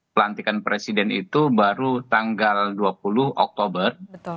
pelantikan presiden itu baru tanggal dua puluh oktober